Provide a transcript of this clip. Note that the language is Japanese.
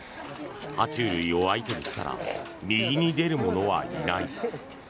爬虫類を相手にしたら右に出る者はいない。